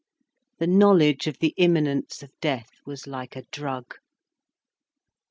The knowledge of the imminence of death was like a drug.